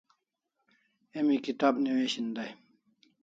Emi kitab newishin dai